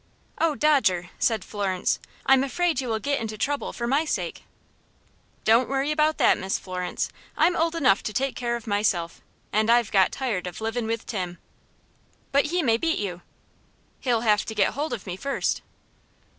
"Oh, Dodger," said Florence, "I'm afraid you will get into trouble for my sake!" "Don't worry about that, Miss Florence. I'm old enough to take care of myself, and I've got tired of livin' with Tim." "But he may beat you!" "He'll have to get hold of me first."